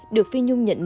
được phi nhung nhận nhận